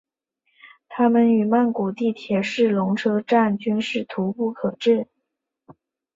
它们与曼谷地铁的是隆车站均是徙步可至。